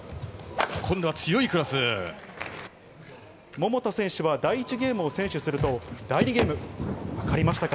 桃田選手は第１ゲームを先取すると第２ゲーム、わかりましたか？